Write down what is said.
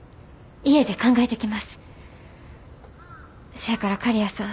せやから刈谷さん。